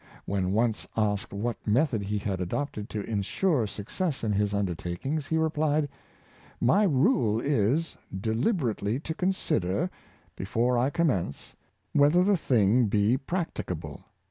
When once asked what method he had adopted to insure success in his undertakings, he replied, "My rule is, deliberately to consider, before I commence, whether the thing be practicable.